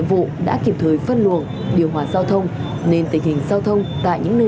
và du khách tới tham quan và dự lễ